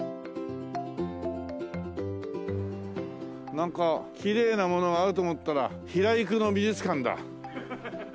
なんかきれいなものがあると思ったら平郁の美術館だ。